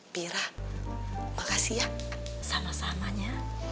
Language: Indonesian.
pirah makasih ya sama samanya